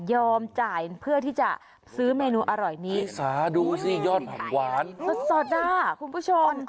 จ่ายเพื่อที่จะซื้อเมนูอร่อยนี้สาดูสิยอดผักหวานสดสดอ่ะคุณผู้ชม